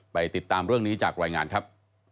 ติดตามเรื่องนี้จากรายงานครับ